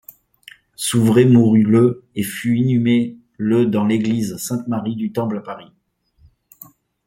Souvré mourut le et fut inhumé le dans l’église Sainte-Marie du Temple à Paris.